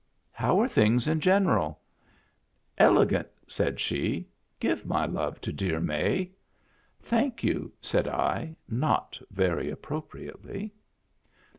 " How are things in general ?"" Elegant," said she. " Give my love to dear May." " Thank you," said I, not very appropriately.